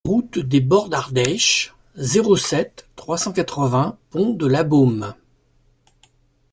Route des Bords d'Ardèche, zéro sept, trois cent quatre-vingts Pont-de-Labeaume